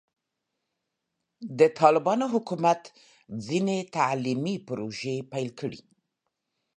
د طالبانو حکومت ځینې تعلیمي پروژې پیل کړي.